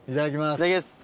いただきます。